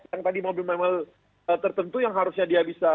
yang tadi mobil mobil tertentu yang harusnya dia bisa